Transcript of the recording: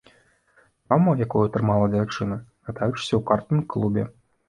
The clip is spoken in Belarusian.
Траўма, якую атрымала дзяўчына, катаючыся ў картынг-клубе.